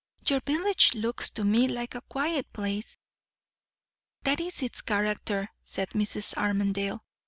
"Your village looks to me like a quiet place." "That is its character," said Mrs. Armadale.